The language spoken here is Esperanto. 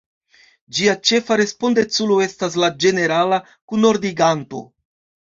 Ĝia ĉefa respondeculo estas la Ĝenerala Kunordiganto.